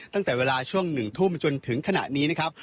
ตั้งแต่เวลาช่วง๑ทุ่มจนถึงขณะนี้นะครับ